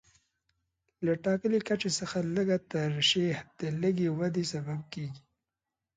له ټاکلي کچې څخه لږه ترشح د لږې ودې سبب کېږي.